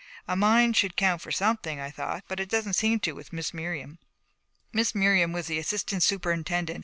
A mind should count for something, I thought, but it didn't seem to with Miss Miriam. Miss Miriam was the assistant superintendent.